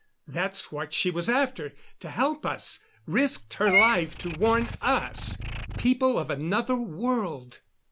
That's what she was after, to help us, risked her life to warn us people of another world."